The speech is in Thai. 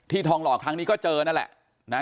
ที่ทองหลอกครั้งนี้ก็เจอนั่นแหละ